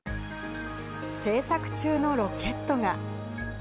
制作中のロケットが。